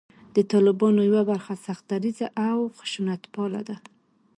د طالبانو یوه برخه سخت دریځه او خشونتپاله ده